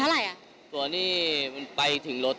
อันนี้คือรถเสริม